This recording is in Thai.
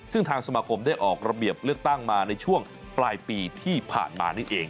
ซึ่งทางสมาคมได้ออกระเบียบเลือกตั้งมาในช่วงปลายปีที่ผ่านมานี่เอง